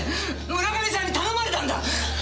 村上さんに頼まれたんだ！